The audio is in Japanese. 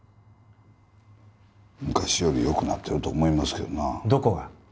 昔よりよくなってると思いますけどなどこが？